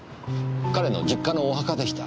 彼の実家のお墓でした。